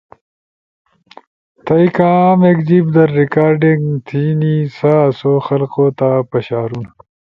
تھئی کامیک جیب در ریکارڈنگ تھینی سا آسو خلقو تا پشارونا